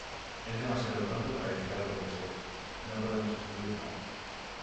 Es demasiado pronto para decir algo al respecto, no podemos excluir nada".